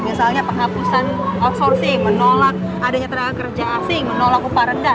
misalnya penghapusan outsourcing menolak adanya tenaga kerja asing menolak upah rendah